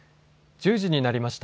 １０時になりました。